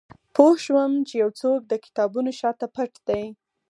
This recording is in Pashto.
پوه شوم چې یو څوک د کتابونو شاته پټ دی